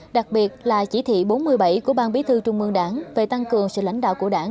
đặc biệt là chỉ thị bốn mươi bảy của ban bí thư trung mương đảng về tăng cường sự lãnh đạo của đảng